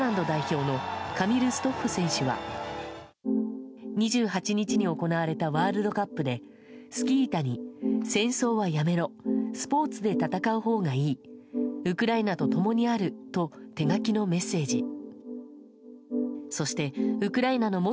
更にソチ、平昌金メダリストのスキージャンプポーランド代表のカミル・ストッフ選手は２８位日に行われたワールドカップで、スキー板に戦争はやめろスポーツで戦うほうがいいウクライナとともにあると手書きのメッセージ。